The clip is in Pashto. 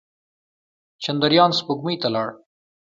چندریان سپوږمۍ ته لاړ.